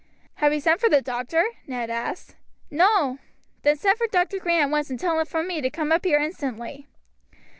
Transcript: "Have you sent for the doctor?" Ned asked. "No!" "Then send for Dr. Green at once, and tell him from me to come up here instantly."